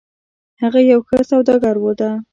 هغه یو ښه سوداګر ده